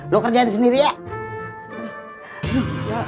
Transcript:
lu kerjain sendiri ya